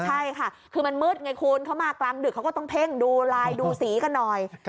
ใช่ค่ะคือมันมืดไงคุณเขามากลางดึกเขาก็ต้องเพ่งดูลายดูสีกันหน่อย